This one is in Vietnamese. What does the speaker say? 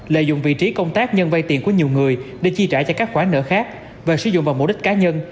lợi dụng vị trí công tác nhân vay tiền của nhiều người để chi trả cho các khoản nợ khác và sử dụng vào mục đích cá nhân